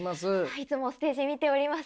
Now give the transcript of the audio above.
いつもステージ見ております。